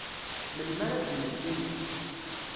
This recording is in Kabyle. Melmi ara ad mmektin?